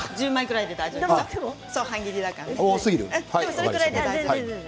それぐらいで大丈夫です。